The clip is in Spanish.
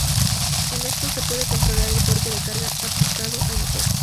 Esto es, se puede controlar el torque de carga aplicado al motor.